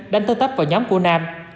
đánh tớ tấp vào nhóm của nam